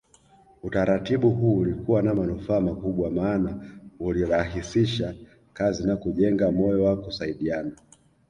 Utaratibu huu ulikuwa na manufaa makubwa maana ulirahisisha kazi na kujenga moyo wa kusaidiana